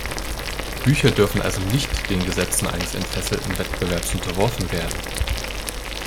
Bücher dürfen also nicht den Gesetzen eines entfesselten Wettbewerbs unterworfen werden!